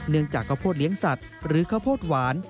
จากข้าวโพดเลี้ยงสัตว์หรือข้าวโพดหวาน